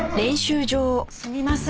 すみません